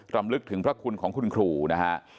รำลึกถึงพระคุณของคุณครูนะฮะ